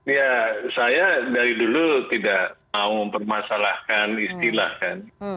ya saya dari dulu tidak mau mempermasalahkan istilah kan